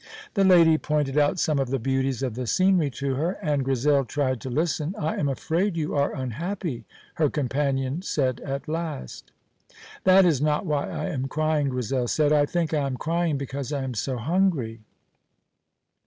The lady pointed out some of the beauties of the scenery to her, and Grizel tried to listen. "I am afraid you are unhappy," her companion said at last. "That is not why I am crying," Grizel said; "I think I am crying because I am so hungry."